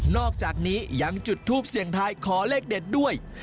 อกจากนี้ยังจุดทูปเสียงทายขอเลขเด็ดด้วย